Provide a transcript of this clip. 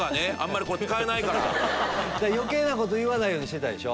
余計なこと言わないようにしてたでしょ。